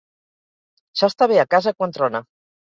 S'està bé a casa quan trona.